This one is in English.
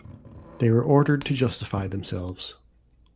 They were ordered to justify themselves.